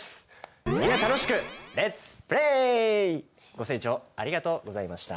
ご清聴ありがとうございました。